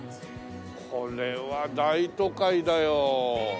これは大都会だよ。